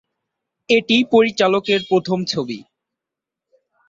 এটিই পরিচালকের প্রথম ছবি।